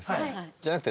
じゃなくて。